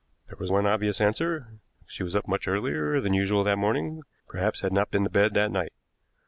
There was one obvious answer. She was up much earlier than usual that morning, perhaps had not been to bed that night.